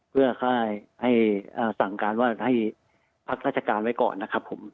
เพื่อให้สั่งการว่าให้พักราชการไว้ก่อนนะครับผม